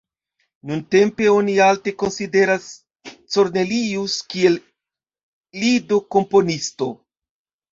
Nuntempe oni alte konsideras Cornelius kiel lido-komponisto.